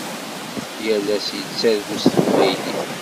Yal ass tettargu s teqbaylit.